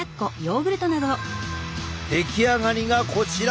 出来上がりがこちら。